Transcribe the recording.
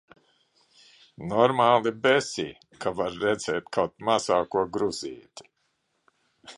Normāli besī, ka var redzēt kaut mazāko gruzīti.